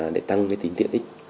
để tăng tính tiện ích